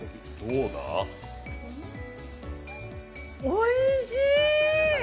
おいしい。